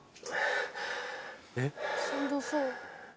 「しんどそう」